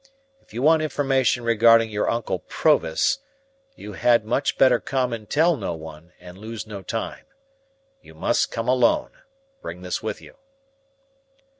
If you want information regarding your uncle Provis, you had much better come and tell no one, and lose no time. You must come alone. Bring this with you."